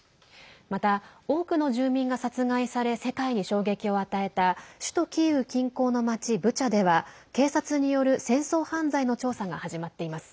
また、多くの住民が殺害され世界に衝撃を与えた首都キーウ近郊の町ブチャでは警察による戦争犯罪の調査が始まっています。